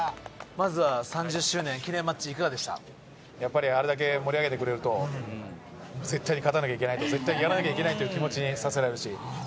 やっぱりあれだけ盛り上げてくれると絶対に勝たなきゃいけないと絶対にやらなきゃいけないという気持ちにさせられるし。